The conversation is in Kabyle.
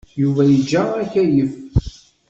Yuba yeǧǧa akeyyef.